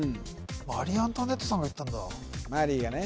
マリー・アントワネットさんが言ったんだマリーがね